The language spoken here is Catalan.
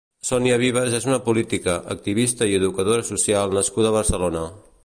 Sonia Vivas és una política, activista i educadora social nascuda a Barcelona.